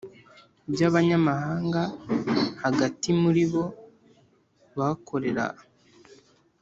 By abanyamahanga hagati muri bo bakorera